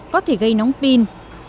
có thể gây nóng pin